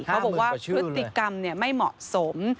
เขาบอกว่าพฤติกรรมไม่เหมาะสม